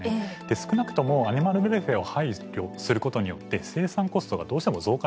少なくともアニマルウェルフェアを配慮することによって生産コストがどうしても増加してしまうと。